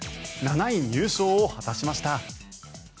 ７位入賞を果たしました。